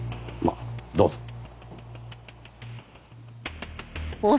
まあどうぞ。